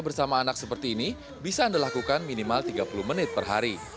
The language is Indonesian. bersama anak seperti ini bisa anda lakukan minimal tiga puluh menit per hari